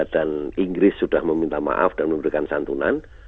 dan inggris sudah meminta maaf dan memberikan santunan